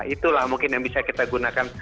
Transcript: itulah mungkin yang bisa kita gunakan